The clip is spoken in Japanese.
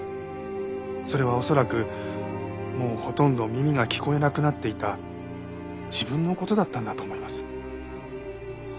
それは恐らくもうほとんど耳が聞こえなくなっていた自分の事だったんだと思います。